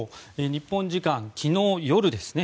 日本時間昨日夜ですね